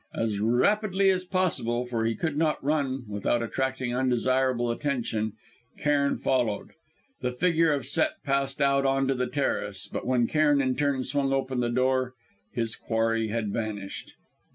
As rapidly as possible, for he could not run, without attracting undesirable attention, Cairn followed. The figure of Set passed out on to the terrace, but when Cairn in turn swung open the door, his quarry had vanished.